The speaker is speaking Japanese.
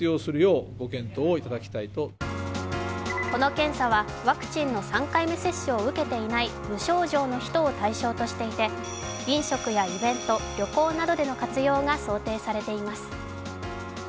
この検査はワクチンの３回目接種を受けていない無症状の人を対象としていて飲食やイベント、旅行などでの活用が想定されています。